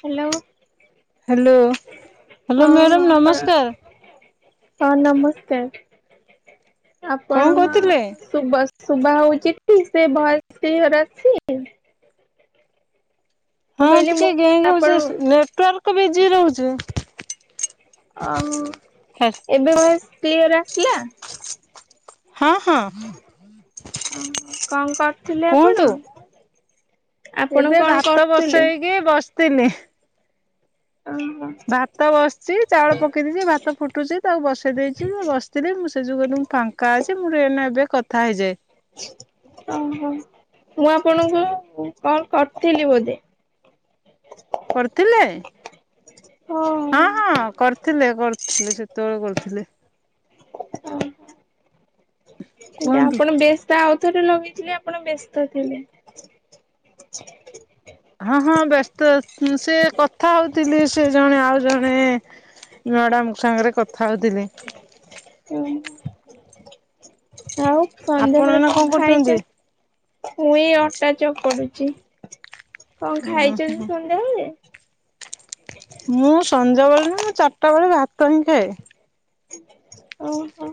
Hello. Hello, hello ହଁ madam ଆପଣ ନମସ୍କାର। ହଁ ନମସ୍କାର। କଣ ଆପଣଙ୍କ କରୁଥିଲେ? ଶୁଭ ଶୁଭା ହେଉଛି ଟି ସେ ଭଏସ୍ କ୍ଲିୟର ଅଛି? ହଁ କହିଲି ଟିକେ ମୁଁ ଗେଁ ଗେଁ କଣ ଆପଣ ହଉଛି ନେଟୱାର୍କ ବିଜି ରହୁଛି। ଅ ଏବେ ଭଏସ୍ କ୍ଲିୟର୍ ଆସିଲା? ହଁ, ହଁ। ଓହୋ, କଣ କରୁଥିଲେ କୁହନ୍ତୁ। ଆପଣ? ଆପଣ ଏବେ କଣ ଭାତ କରୁଥିଲେ ବସେଇକି ବସିଥିଲି। ହଁ ହଁ। ଭାତ ବସିଛି ଚାଉଳ ପକେଇ ଦେଇଛି ଭାତ ଫୁଟୁଛି ତାକୁ ବସେଇ ଦେଇଛି ବସିଥିଲି ମୁଁ ସେ ଯୋଗୁଁ କହିଲି ଫାଙ୍କା ଅଛି ମୁଁ ଟିକେ ଏଇନେ ଏବେ କଥା ହେଇଯାଏ। ଓହୋ, ମୁଁ ଆପଣଙ୍କୁ କଲ୍ କରିଥିଲି ବୋଧେ? କରିଥିଲେ? ହଁ। ହଁ, ହଁ କରିଥିଲେ କରିଥିଲେ ସେତେବେଳେ କରିଥିଲେ। ଓହୋ। ସେଟା କୁହନ୍ତୁ। ଆପଣ ବ୍ୟସ୍ତ ଆଉଥରେ ଲଗେଇଥିଲେ ଆପଣ ବ୍ୟସ୍ତଥିଲେ। ହଁ ହଁ ବ୍ୟସ୍ତ ସେ କଥା ହଉଥିଲି ସେ ଜଣେ ଆଉ ଜଣେ ମ୍ୟାଡାମଙ୍କ ସାଙ୍ଗରେ କଥା ହଉଥିଲି। [unintelligible] ଆଉ ଆପଣ ସନ୍ଧ୍ୟାବେଳେ ଏଇନା କଣ କରୁଛନ୍ତି? ଖାଇଛ ମୁଁ ଏଇ ଅଟା ଚକଡୁଛି। କଣ ଉଁ ଖାଇଛନ୍ତି ସନ୍ଧ୍ୟାବେଳେ? ମୁଁ ସଞ୍ଜବେଳେ ନା ମୁଁ ଚାରିଟା ବେଳେ ଭାତ ହିଁ ଖାଏ। ଓହୋ।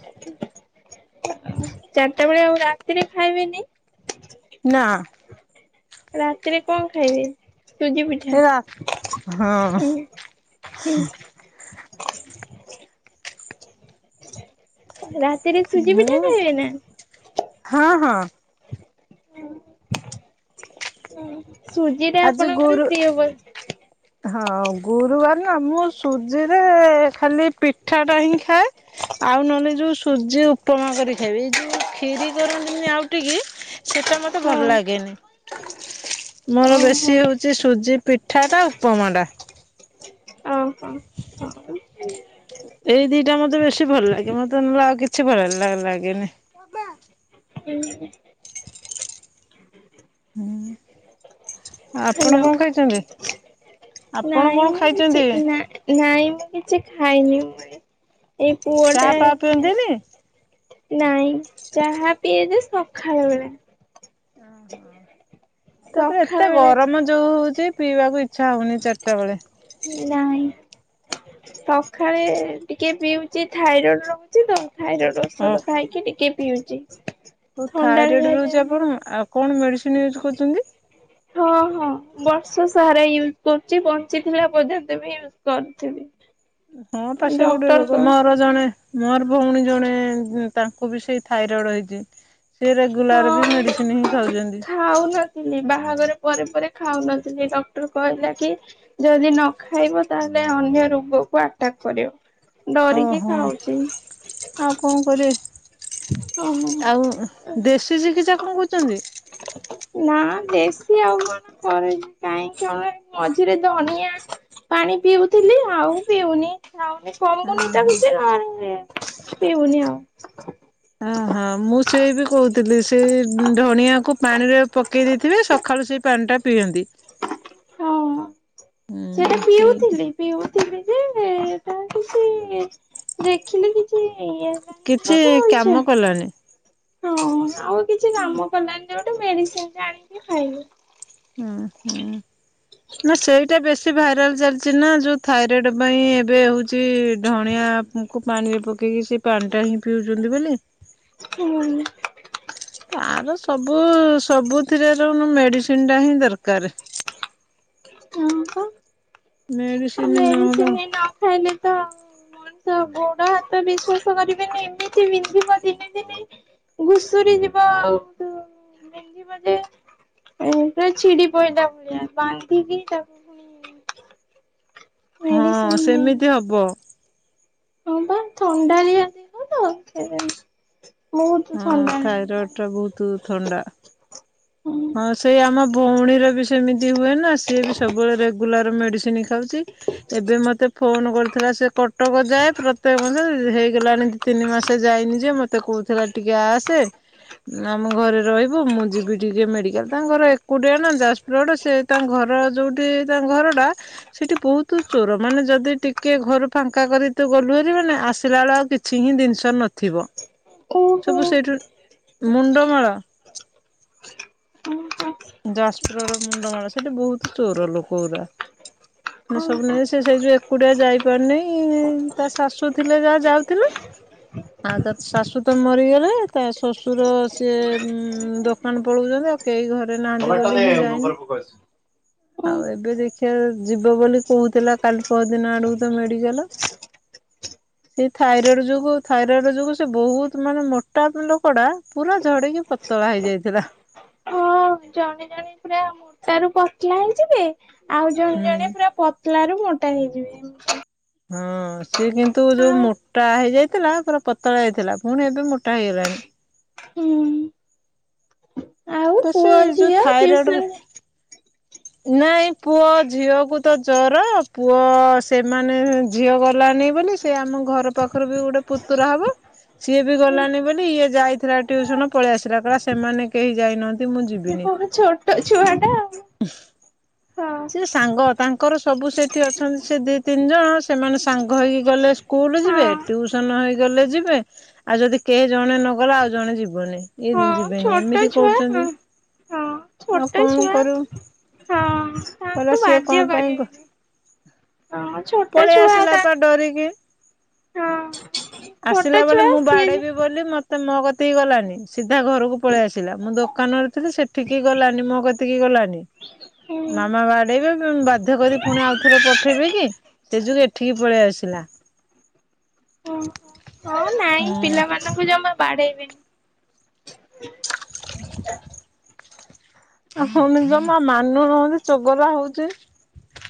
[unintelligible] ଚାରିଟା ବେଳେ ଆଉ ରାତିରେ ଖାଇବେନି? ନାଁ। ରାତିରେ କଣ ଖାଇବେ ସୁଜି ପିଠା? ଏ ରା ହଁ ହୁଁ। ହୁଁ। ରାତିରେ ସୁଜି ପିଠା ମୁଁ ଖାଇବେ ନା? ହଁ ହଁ। ଓହୋ ଓହୋ ସୁଜିଟା ଆଜି ଆପଣଙ୍କର ଗୁରୁ ପ୍ରିୟ ବୋ ହଁ ଗୁରୁବାର ନା ମୁଁ ସୁଜିରେ ଖାଲି ପିଠାଟା ହିଁ ଖାଏ। ଆଉ ନହେଲେ ଯୋଉ ସୁଜି ଉପମା କରି ଖାଇବି। ଏଇ ଯୋଉ ଖିରି କରନ୍ତିନି ଆଉଟିକି ସେଇଟା ମ ତେ ଭଲ ହଁ ଲାଗେନି। ମୋର ବେଶୀ ଓହୋ ହେଉଛି ସୁଜି ପିଠାଟା ଆଉ ଉପମାଟା। [inaudible] ଏଇ ଦିଟା ମତେ ବେଶୀ ଭଲ ଲାଗେ। ମତେ ନହେଲେ ଆଉ କିଛି ଭଲ ଲା-ଲାଗେନି। ବାବା। ଉଁହୁଁ। ହୁଁ। ଆପଣ କଣ ଖାଇଛନ୍ତି? ଆପଣ ନାଇଁ କଣ ମୁଁ କିଛି ଖାଇଛନ୍ତି? ନା ନାଇଁ ମୁଁ କିଛି ଖାଇନି ଉଁ ଏଇ-ଏଇ ପୁଅଟା ଚାହା ଫାହା ଯୋଗୁଁ ପିଅନ୍ତିନି? ନାଇଁ ଚାହା ପିଏ ଯେ ସଖାଳ ବେଳା। ଓହୋ ତା ପରେ ସଖାଳ ଏତେ ବେଳା ଗରମ ଯୋଉ ହଉଛି ପିଇବାକୁ ଇଚ୍ଛା ହଉନି ଚାରିଟା ବେଳେ। ନାଇଁ। ସଖାଳେ ଟିକେ ପିଉଛି ଥାଇରଏଡ ରହୁଛି ତ। ଥାଇରଏଡ ରହୁ ଔଷଧ ଖାଇକି ଟିକେ ପିଉଛି। ଓଃ ଥାଇରଏଡ ଥଣ୍ଡାଳିଆରେ ରହୁଛି ଆପଣଙ୍କ? ଆଉ କଣ ମେଡିସିନ ୟୁଜ୍ କରୁଛନ୍ତି? ହଁ ହଁ ବର୍ଷ ସାରା ୟୁଜ କରୁଛି। ବଞ୍ଚିଥିଲା ପର୍ଯ୍ୟନ୍ତ ବି ୟୁ କରୁଥିବି। ହଁ ପା ସେ ଗୋଟେ ଡକ୍ଟର ରୋଗ। କ ମୋର ଜଣେ ମୋର ଭଉଣୀ ଜଣେ ଉଁ ତାଙ୍କୁ ବି ସେଇ ଥାଇରଏଡ଼ ହେଇଛି। ସେ ରେଗୁଲାର ବି ମେଡ଼ିସିନ ହିଁ ଖାଉଛନ୍ତି। ଥିଲି। ବାହାଘର ପରେ ପରେ ଖାଉନଥିଲି। ଡକ୍ଟର କହିଲା କି ଯଦି ନ ଖାଇବ ତା ହେଲେ ଅନ୍ୟ ରୋଗକୁ ଆଟାକ୍ କରିବ। ଡରିକି ଓହୋ ଖାଉଛି। ଆଉ କଣ ଓହୋ। କରିବେ। ଆଉ ଦେଶୀ ଚିକିତ୍ସା କଣ କରୁଛନ୍ତି? ନା ଦେଶୀ ଆଉ କଣ କରେନି। କାଇଁ କଣ ଏଇ ମଝିରେ ଧନିଆ ପାଣି ପିଉଥିଲି ଆଉ ପିଉନି, ଖାଉନି। କମୁନି ତ କିଛି [unintelligible] ପିଉନି ଆଉ। ଓ ହଁ ମୁଁ ସେଇ ବି କହୁଥିଲି ସେଇ ଧଣିଆକୁ ପାଣିରେ ପକେଇ ଦେଇଥିବେ ସକାଳୁ ସେଇ ପାଣିଟା ପିଅନ୍ତି। ହଁ ସେଟା ହୁଁ ସେଇ ପିଉଥିଲି। ପିଉଥିଲି ଯେ କାଇଁ କିଛି ଦେ ଖିଲି କିଛି ଇଏ କିଛି ହେଲାନାହିଁ ଯୋଉଟା କାମ କଲାନି ଯା ହଁ ଆଉ କିଛି କାମ କଲାନି ଯୋଉଟା ମେଡିସିନ ଟେ ଆଣିକି ଖାଇବୁ। ହୁଁ ହୁଁ ନା ସେଇଟା ବେଶୀ ଭାଇରାଲ ଚାଲିଛି ନା ଯୋଉ-, ଥାଇରଏଡ଼ ପାଇଁ ଏବେ ହେଉଛି ଧଣିଆକୁ ପାଣିରେ ପକେଇକି ସେ ପାଣି ଟା ହିଁ ପିଉଛନ୍ତି ବୋଲି। ହୁଁ। ତାର ସବୁ ସବୁଥିରେ ଦେଖୁନୁ ମେଡିସିନ ଟା ହିଁ ଦରକାର। ହଁ ପା ଆଉ ମେଡିସିନ ନହେଲେ ମେଡିସିନ ନ ଖାଇଲେ ତ ମଣିଷ ଗୋଡ଼ ହାତ ବିଶ୍ୱାସ କରିବେନି ଏମିତି ବିନ୍ଧିବ ଦିନେ ଦିନେ। ଘୁଷୁରୀ ଯିବ ଆଉ ତୁ ବିନ୍ଧିବ ଯେ ଏ ଛିଡିପଇଲା ଭଳିଆ ବାନ୍ଧିକି ତାକୁ ପୁଣି ହଁ ମେଡିସିନ ନେଇ ସେମିତି ହବ। ହଁ ବା ଥଣ୍ଡା ଦେହ [inaudible] ତ ସେଥିପାଇଁ ହଁ ଥାଇରଏଡ଼ ଟା ବହୁତ ଥଣ୍ଡା। ହୁଁ ହଁ ସେଇ ଆମ ଭଉଣୀର ବି ସେମିତି ହୁଏ ନା ସିଏ ବି ସବୁବେଳେ ରେଗୁଲାର ମେଡିସିନ ଖାଉଛି। ଏବେ ମତେ ଫୋନ କରିଥିଲା ସେ କଟକ ଯାଏ ପ୍ରତ୍ୟେକ ମାସରେ ହେଇଗଲାଣି ତିନି ମାସ ଯାଇନି ଯେ ମତେ କହୁଥିଲା ଟିକେ ଆସେ ଆମ ଘରେ ରହିବୁ ମୁଁ ଯିବି। ସିଏ ଯିବେ ମେଡିକାଲ୍ ତାଙ୍କ ଘର ଏକୁଟିଆ ନା ଯାସ୍ପ୍ରୋଡ୍ ସେ ତାଙ୍କ ଘର ଯଉଠି ତାଙ୍କ ଘରଟା ସେଠି ବୋହୁତୁ ଚୋର ମାନେ ଯଦି ଟିକେ ଘରୁ ଫାଙ୍କା କରି ତୁ ଗଲୁହାରି ମାନେ ଆସିଲା ବେଳେ ଆଉ କି ଛି ହିଁ ଜିନ୍ଷ ନଥିବ। [inaudible] ସବୁ ସେଇଠୁ ମୁଣ୍ଡମାଳ। ଯାଷ୍ପ୍ରୋଡ ର ମୁଣ୍ଡମାଳ ସେଠି ବହୁତ ଚୋର ଲୋକ ଗୁରା। [inaudible] ନା ସବୁ ନେଇ ଆସିବା ସେଇ ଯୋଉ ଏକୁଟିଆ ଯାଇପାରୁନେହିଁ ତା ଶାଶୁ ଥିଲେ ଯାହା ଯାଉଥିଲା। ଆଉ ତା ଶାଶୁ ତ ମରିଗଲେ ତା ଶଶୁର ସିଏ ଉ ଦୋକାନ୍ ପଳଉଚନ୍ତି ଆଉ କେହି ଘରେ ନାହାନ୍ତି ଟମାଟୋ ବୋଲି ନେ ହିଁ ଯାଇନି ଗୋବର ପୋକ ଅଛି। ହୁଁ। ଆଉ ଏବେ ଦେଖି ଆ ଯିବ ବୋଲି କହୁଥିଲା କାଲି ପହଦିନ ଆଡକୁ ତ ମେଡିକାଲ। [inaudible] ସେ ଥାଇରଡ୍ ଯୋଗୁ ଥାଇରଏଡ ଯୋଗୁ ସେ ବୋହୁତ୍ ମାନେ ମୋଟା ଲୋକଡା ପୁରା ଝଡିକି ପ ତଳା ହେଇଯାଇଥିଲା। ହଁ ଜଣେ ଜଣେ ପୁରା ମୋଟା ରୁ ପତ୍ଲା ହେଇଯିବେ ଆଉ ଜଣେ ହୁଁ ଜଣେ ପୁରା ପ ତ୍ଲା ରୁ ମୋଟା ହେଇଯିବେ ଏ ହଁ ସିଏ କିନ୍ତୁ ଯୋଉ ମୋଟା ହେଇଯାଇଥିଲା ପୁରା ପତଳା ଯାଇଥିଲା ପୁଣି ଏବେ ମୋଟା ହେଇଗଲାଣି। ହୁଁ ଆଉ ବେଶୀ ପୁଅ ଯୋଉ ଝିଅ ଥାଇରଏଡ ଟ୍ୟୁସନ୍ ନାଇଁ ପୁଅ ଝିଅକୁୁ ତ ଜର ପୁଅ ସେମାନେ ଝିଅ ଗଲାନି ବୋଲି ସେ ଆମ ଘର ପାଖରୁ ବି ଗୋଟେ ପୁତୁରା ହବ। ସିଏ ବି ଗଲାନି ବୋଲି ଇଏ ଯାଇଥିଲା ଟ୍ୟୁସନ୍ ପଳେଇଆସିଲା କହିଲା ସେମାନେ କେହି ଯାଇନାହାନ୍ତି ମୁଁ ଯିବିନି। କଣ ଛୋଟ ଛୁଆ ଟା ଆଉ। [unintelligible] ସେ ସାଙ୍ଗ ତାଙ୍କର ସବୁ ସେଠି ଅଛନ୍ତି ସେ ଦି ତିନ୍ ଜଣ ସେମାନେ ସାଙ୍ଗ ହେଇକି ଗଲେ ସ୍ ସ୍କୁଲ ହଁ ଯିବେ ହଁ ଟ୍ୟୁସନ ହେଇଗଲେ ଯିବେ ଆଉ ଯଦି କେହି ଜଣେ ନଗଲା ଆଉ ଜଣେ ଯିବନି ଏଇ ଜି ହଁ ଛୋଟ ଏମିତି ଛୁଆ କରୁଛନ୍ତି ହଁ ହଁ ଆଉ ଛୋଟ କଣ ଛୁଆ କରିବୁ? ହଁ କହିଲା ତାଙ୍କୁ ସିଏ ବାଧ୍ୟ କଣ ପାଇଁ କ କରିବେନି ହଁ ଛୋଟ ପଳେଇ ଛୁଆ ଆସିଲା ତା ପା ଡରିକି। ହଁ ଆସିଲା ଛୋଟ ବୋଲି ଛୁଆ ମୁଁ ସିଏ ବାଡେଇବି ବୋଲି ମତେ ମୋକତି କି ଗଲାନି ସିଧା ଘରକୁ ପଳେଇ ଆସିଲା ମୁଁ ଦୋକାନରେ ଥିଲି ସେଠ ଠିକି ଗଲାନି ମୋ କେତିକି ଗଲାନି। ହୁଁ ମାମା ବାଡେଇବେ ବାଧ୍ୟ କରି ପୁଣି ଆଉଥରେ ପଠେଇବେ କି? ସେ ଯୋଗୁ ଏଠିକି ପଳେଇ ଆସିଲା। ହଉ ହଉ ନାଇଁ ହୁଁ ପିଲାମାନଙ୍କୁ ଜମା ବାଡେଇବନି। ହ [inaudible] ଆ ହଉନି ଜମା ମାନୁନନ୍ତି ଚଗଲା ହଉଛି।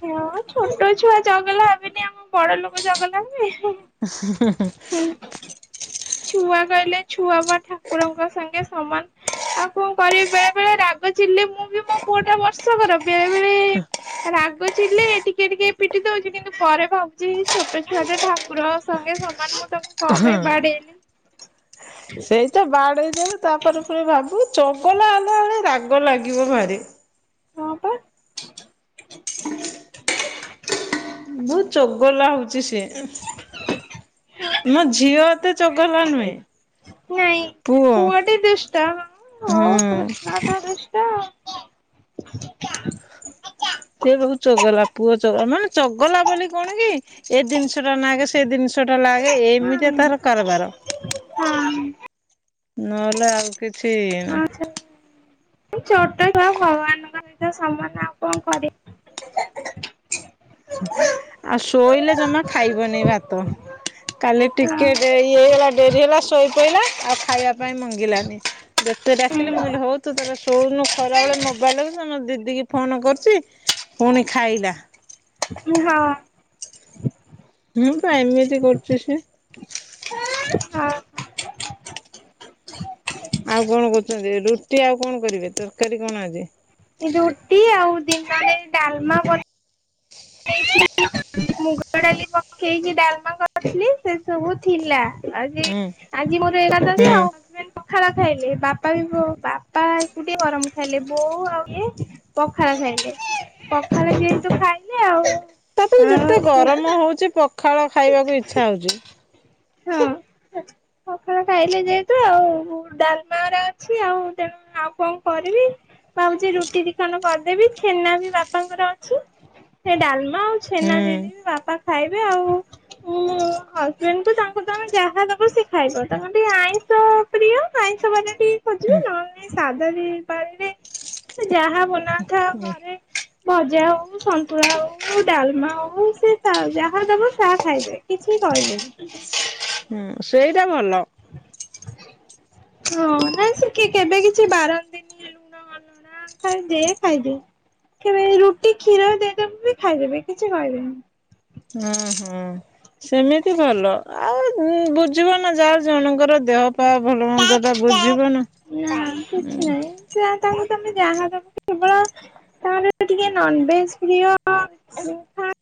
ହଁ ଛୋଟ ଛୁଆ ଚଗଲା ହେବେନି ଆଉ କଣ ବଡ ଲୋକ ଚଗଲା ହେବେ ହେ [unintelligible] ଛୁଆ କହିଲେ ଛୁଆ ବା ଠାକୁରଙ୍କ ସାଙ୍ଗେ ସମାନ। ଆଉ କଣ କରିବି ବେଳେ ବେଳେ ରାଗ ଚିଡ଼ିଲେ ମୁଁ ବି ମୋ ପୁଅ ଟା ବର୍ଷ କର ବେଳେ ବେଳେ ରାଗଚିଡ଼ିଲେ ଟିକ ଟିକ ଟିକେ ପିଟି ଦଉଛି କିନ୍ତୁ ପରେ ଭାବୁଛି ଛୋଟ ଛୁଆଟା ଠାକୁର ସଙ୍ଗେ ସମାନ ମୁଁ ତାକୁ କଣ ହଁ ପାଇଁ ବାଡେଇଲି। ସେଇତ ବାଡେଇଦବୁ ତାପରେ ପୁଣି ଭାବୁ ଚଗଲା ହେଲା ବେେଳେ ରାଗ ଲାଗିବ ଭାରି। ହଁ ପା ବହୁତ ଚଗଲା ହଉଛି ସିଏ। ମୋ ଝିଅ ଏତେ ଚଗଲା ନୁହେଁ। ନାଇଁ ପୁଅ ଟି ଦୁଷ୍ଟ ହଉ ହୁଁ କୃଷ୍ଣ ତ ଦୁଷ୍ଟ। [unintelligible] ସେ ବହୁତ ଚଗଲା ପୁଅ ଚଗଲା ମାନେ ଚଗଲା ବୋଲି କଣ କି ଏ ଜିନିଷ ଟା ନାଗେ ସେ ଜିନିଷ ଟା ଲାଗେ ଏମିତି ହଁ ତାର କାରବାର। ହଁ। ନହେଲେ ଆଉ କିଛିି ହଁ ଛ ଛୋଟ ଛୁଆ ଭଗବାନଙ୍କ ସହିତ ସମାନ ଆଉ କଣ କରିବି। ଆଉ ଶୋଇଲେ ଜମା ଖାଇବନି ଭାତ। କାଲି ହଁ। ଟିକେ ଡେରି ହେଇଗଲା ଡେରି ହେଲା ଶୋଇ ପଡିଲା ଆଉ ଖାଇବା ପାଇଁ ମଙ୍ଗିଲାନି। ଯେତେ ଡାକିଲି ମୁଁ କହିଲି ହଉ ତୁ ତୋର ଶୋଉନୁ ଖରାବେେଳେ ମୋବାଇଲ ଦେଖୁ ଟ୍ୟୁସନ ଦିଦି କି ଫୋନ କରୁଛି ପୁଣି ଖାଇଲା। ହଁ ହୁଁ ପା ଏମିତି କରୁଛି ସେ। ହଁ ଆଉ କଣ କରୁଛନ୍ତି ରୁଟି ଆଉ କଣ କରିବେ ତରକାରୀ କଣ ଆଜି? ରୁଟି ଆଉ ଦିନରେ ଡାଲମା ମୁଗ ଡାଲି ପକେଇକି ଡାଲମା କରିଥିଲି ସେ ସବୁ ଥିଲା। ଆଜି ହୁଁ ଆଜି ମୋର ଏକାଦଶୀ ହୁଁ ଆଉ ପଖାଳ ଖାଇଲେ ବାପା ବି ବୋଉ ବାପା ଏକୁଟିଆ ଗରମ ଖାଇଲେ ବୋଉ ଆଉ ଇ ଏ ପଖାଳ ଖାଇଲେ ପଖାଳ ଯେହେତୁ ଖାଇଲେ ଆଉ ତାପରେ ଆଉ ଯେତେ ସେ ଗରମ ହଉଛି ପଖାଳ ଖାଇବାକୁ ଇଚ୍ଛା ହଉଛି। ହଁ। [inaudible] ପଖାଳ ଖାଇଲେ ଯାହେତୁ ଆଉ ଡାଲମାର ଅଛି ଆଉ ତେଣୁ ଆଉ କଣ କରିବି? ଭାବଛି ରୁଟି ଦିଖଣ୍ଡ କରିଦେବି ଛେନା ବି ବାପାଙ୍କର ଅଛି ସେ ଡାଲମା ଆଉ ଛେନା ଦେଇଦେବି ହୁଁ ବାପା ଖାଇବେ ଆଉ। [inaudible] ମୁଁ ହଜବେଣ୍ଡଙ୍କୁ ତାଙ୍କ ତାଙ୍କୁ ତମେ ଯାହା ଦବ ସେ ଖାଇବ ତାଙ୍କର ଟିକେ ଆଇଁଷ ପ୍ରିୟ ଆଇଁଷ ବାର ଟିକେ ଖୋଜିବେ ନହେଲେ ସାଧା ଦି ପାଳିବେ [inaudible] ସେ ଯାହା ବନାଥାଉ ଘରେ ଭଜା ହଉ, ସନ୍ତୁଳା ହଉ, ଡାଲମା ହଉ ସେ ଯାହା ଦେବ ତାହା ଖାଇବେ କିଛି କହିବେନି। ହେଇଚି। ସେଇଟା ଭଲ। ହଁ ନାଇଁ ସେ କି କେବେ କିଛି ବାରନ୍ତିନି [inaudible] ଅଲଣା ଥାଏ ଯେ ଖାଇଦିଏ। କେବେ ରୁଟି କ୍ଷୀର ଦେଇଦବୁ ବି ଖାଇଦେବେ। କିଛି କହିବେନି। ହଁ ହଁ [inaudible] ସେମିତି ଭଲ ଆଉ ବୁଝିବ ନା ଯାହା ଜଣଙ୍କର ଦେହ ପା ଭଲ ମନ୍ଦ ଟା ବୁଝିବ ନା ନା କିଛି ନାଇଁ ସେୟା ତାଙ୍କୁ ତମେ ଯାହା ଦବ କେବଳ ତାଙ୍କର ଟିକେ ନନଭେଜ ପ୍ରିୟ [inaudible] ସେଥିପାଇଁ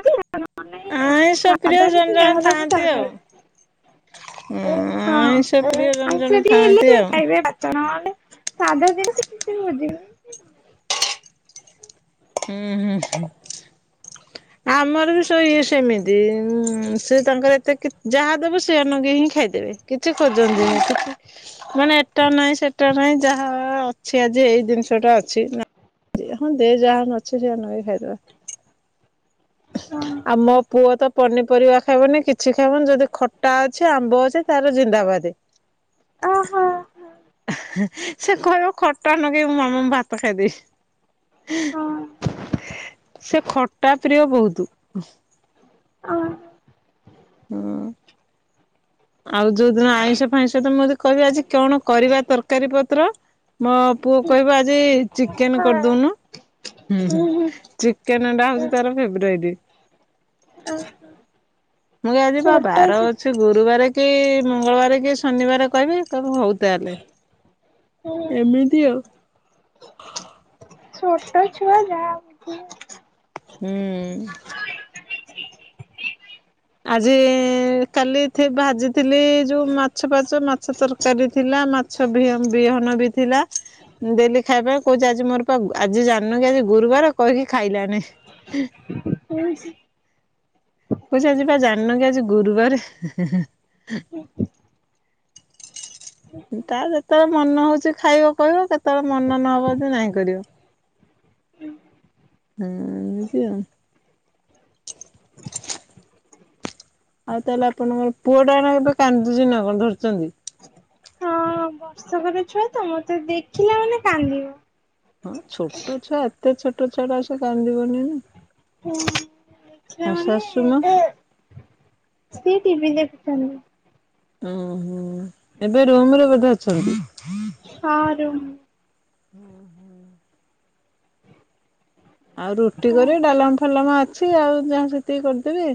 [unintelligible] ଆଇଁଷ ପ୍ରିୟ ସାଧା ବି ଜଣେ ଥିଲା ଜଣେ ହେଲେ ମୁଁ ଥାଆନ୍ତି ତାହା ଆଉ। ଖାଇଲି। ଆଇଁଷ ହଁ ପ୍ରିୟ ଜଣେ ଜଣେ ଆଇଁଷ ଟିକେ ହେଲେ ଥାଆନ୍ତି ବି ଆଉ। ଖାଇବେ ଭାତ ନହେଲେ ସାଧା ଦିନ ସେ କିଛି ବି ଖୋଜିବେନି। ହୁଁ। ହୁଁ। ହୁଁ। ଆମର ବି ସେ ଇଏ ସେମିତି ଇଁ ସେ ତାଙ୍କର ଏତେ କିଛି ଯାହା ଦେବ ସେୟା ନଗେଇକି ହିଁ ଖାଇଦେବେ। କିଛି ଖୋଜନ୍ତିନି କିଛି [inaudible] ମାନେ ଏଟା ନାହିଁ ସେଟା ନାଇଁ ଯାହା ଯାହା ଅଛି ଆଜି ଏଇ ଜିନିଷ ଟା ଅଛି। ନା ନାହଁ ଦେ ଯାହା ଅଛି ସୋୟା ନଗେଇକି ଖାଇଦେବା। ହଁ [inaudible] ଆମ ପୁଅ ତ ପନିପରିବା ଖାଇବନି, କିଛି ଖାଇବନି ଯଦି ଖଟା ଅଛି, ଆମ୍ବ ଅଛି ତାର ଜିନ୍ଦାବାଦ। ଓହୋ ସେ କହିବ ଖଟା ନଗେଇଁ ମାମା ମୁଁ ଭାତ ଖାଇଦେବି। ହଁ। [inaudible] ସେ ଖଟା ପ୍ରିୟ ବହୁତ। ଓହୋ ହଁ। ଆଉ ଯୋଉଦିନ ଆଇଁଷ ଫାଇଁଷ ତ ମୁଁ ଯଦି କହିବି ଆଜି କଣ କରିବା ତରକାରୀ ପତ୍ର ମୋ ପୁଅ କହିବ ଆଜି ଚିକେନ କରିଦଉନୁ [inaudible] ହୁଁ। ଚିକେନଟା ହଉଛି ତାର ଫେବରାଇଟ। ଆ ମୁଁଇ ଆଜିି ବା ବାର ଅଛି ସେ ଗୁରୁବାର କି, ମଙ୍ଗଳବାର କି, ଶନିବାର କହିବେ ହଉ ତାହେଲେ ଏମିତି ଆଉ। ଛୋଟ ଛୁଆ ଯାହା [inaudible] କହିଲେ ହୁଁ। ଆଜି ଇ - ଇ - ଇ କାଲି ଥି ଭାଜିଥିଲି ଇ ଯୋଉ ମାଛ ପାଛ ମାଛ ତରକାରୀ ଥିଲା ମାଛ ବିହ ବିହନ ବି ଥିଲା ଦେଲି ଖାଇବା କହୁଛି ଆଜି ମୋର ପା ଆଜି ଜାଣିନ କି ଆଜି ଗୁରୁବାର କହିକି ଖାଇଲାନାଇ। ହୁଁ। କହୁଚି ଆଜି ପା ଜାଣିନ କି ଆଜି ଗୁରୁବାର ତାର ଯେତେବେଳେ ମନେ ହଉଛି ଖାଇବ କହିବ। କେତେବେଳେ ମନ ନହବ ଯଦି ନାଇଁ କରିବ। ହଁ ଏମିତି ଆଉ। ଆଉ ତାହେଲେ ଆପଣଙ୍କର ପୁଅ ଟା ଏବେ କାନ୍ଦୁଛି ନା କଣ ଧରିଛନ୍ତି? ହଁ ବର୍ଷକର ଛୁଆ ତ ମତେ ଦେଖିଲା ମାନେ କାନ୍ଦିବ। ହଁ ଛୋଟ ଛୁଆ ଏତେ ଛୋଟ ଛୁଆଟା ଆଛି କାନ୍ଦିବନି ନା ହୁଁ। ଆଉ ଶାସୁ ମା? ସିଏ ଟିଭି ଦେଖୁଛନ୍ତି। ଓ ହୋ ଏବେ ରୁମରେ ବଧେ ଅଛନ୍ତି? ହଁ ରୁମ ଆଉ ରୁଟି ହଁ କରିବେ ଡାଲମ ଫାଲାମ ଅଛି ଆଉ ଯାହା ସେତିକି କରିଦେବେ?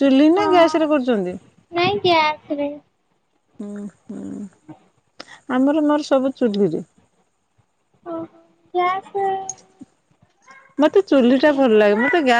ଚୁଲି ନା ଗ୍ୟାସ ରେ କରୁଛନ୍ତି? ନାଇଁ ଗ୍ୟାସ ରେ। ହୁଁ ହୁଁ ଆମର ମୋର ସବୁ ଚୁଲି ରେ। ଓ ଗ୍ୟାସ୍ ମତେ ଚୁଲି ଟା ଭଲ ଲାଗେ। ମତେ ଗ୍ୟା